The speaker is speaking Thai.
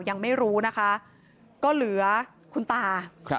ยังไม่รู้นะคะก็เหลือคุณตา